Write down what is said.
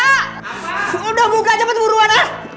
apa udah buka aja cepet buruan